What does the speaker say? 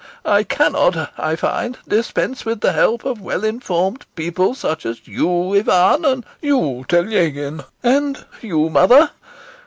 I cannot, I find, dispense with the help of well informed people such as you, Ivan, and you, Telegin, and you, mother.